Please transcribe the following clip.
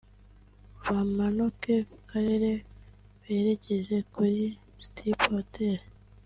bamanuke ku karere berekeze kuri Stipp Hotel